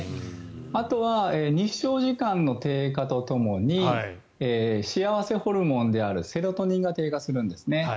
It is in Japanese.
あとは日照時間の低下とともに幸せホルモンであるセロトニンが低下するんですね。